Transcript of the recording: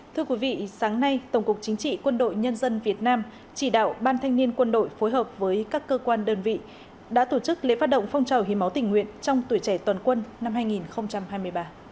thưa quý vị sáng nay tổng cục chính trị quân đội nhân dân việt nam chỉ đạo ban thanh niên quân đội phối hợp với các cơ quan đơn vị đã tổ chức lễ phát động phong trào hiến máu tình nguyện trong tuổi trẻ toàn quân năm hai nghìn hai mươi ba